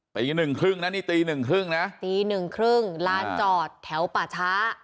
ตีหนึ่งครึ่งนะนี่ตีหนึ่งครึ่งนะตีหนึ่งครึ่งลานจอดแถวป่าช้า